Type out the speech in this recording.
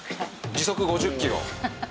時速５０キロ。